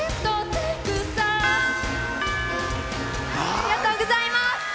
ありがとうございます。